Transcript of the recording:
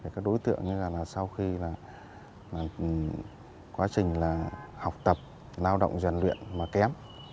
các đối tượng như là sau khi là quá trình là học tập lao động dần luyện mà kém